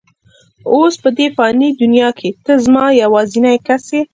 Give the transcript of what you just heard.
اوس په دې فاني دنیا کې ته زما یوازینۍ کس یې.